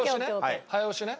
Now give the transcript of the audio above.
早押しね？